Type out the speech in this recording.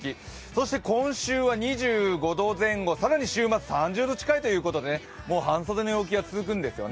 そして今週は２５度前後、更に週末３０度近いということで半袖の陽気が続きます。